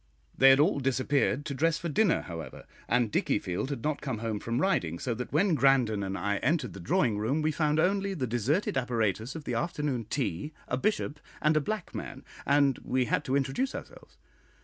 They had all disappeared to dress for dinner, however, and Dickiefield had not come home from riding, so that when Grandon and I entered the drawing room, we found only the deserted apparatus of the afternoon tea, a Bishop, and a black man and we had to introduce ourselves.